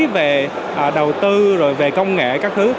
về đầu tư rồi về công nghệ các thứ